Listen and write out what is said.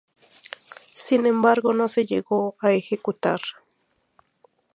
Sin embargo no se llegó a ejecutar.